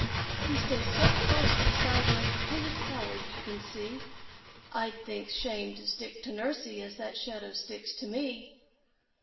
He stays so close beside me, he's a coward you can see; I'd think shame to stick to nursie as that shadow sticks to me!